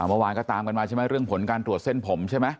เมื่อวานก็ตามกันมาใช่ไหมเรื่องผลการตรวจเส้นผมใช่ไหม